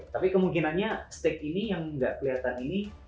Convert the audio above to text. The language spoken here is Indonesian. tapi kemungkinannya steak ini yang nggak kelihatan ini